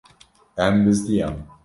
Em bizdiyan.